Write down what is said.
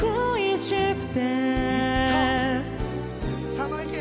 佐野いけ！